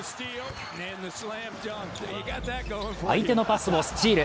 相手のパスもスチール。